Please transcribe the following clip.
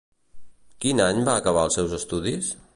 Quin any va acabar els seus estudis?